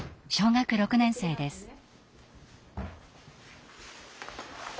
小学６年生です。